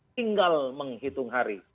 tinggal menghitung hari